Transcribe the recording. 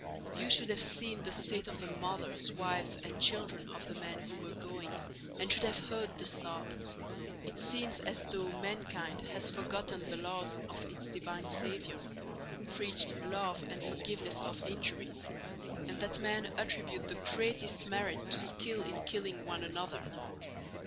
You should have seen the state of the mothers, wives, and children of the men who were going and should have heard the sobs. It seems as though mankind has forgotten the laws of its divine Saviour, Who preached love and forgiveness of injuries—and that men attribute the greatest merit to skill in killing one another.